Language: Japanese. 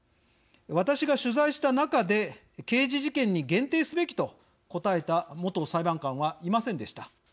私が取材した中で刑事事件に限定すべきと答えた元裁判官はいませんでした。